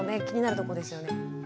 気になるとこですよね。